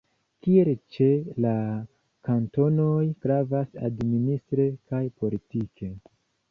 Kiel ĉe la kantonoj, gravas administre kaj politike.